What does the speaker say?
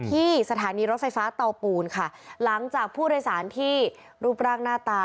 ที่สถานีรถไฟฟ้าเตาปูนค่ะหลังจากผู้โดยสารที่รูปร่างหน้าตา